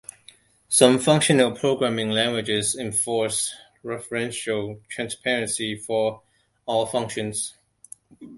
Some functional programming languages enforce referential transparency for all functions.